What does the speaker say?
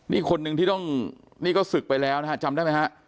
นี่คนหนึ่งที่ต้องนี่ก็ศึกไปแล้วนะฮะจำได้ไหมฮะ